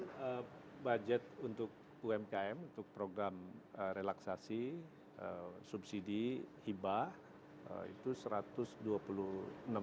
kalau budget untuk umkm untuk program relaksasi subsidi hibah itu rp satu ratus dua puluh enam triliun